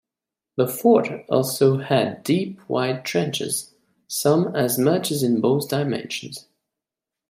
The fort also had deep wide trenches, some as much as in both dimensions.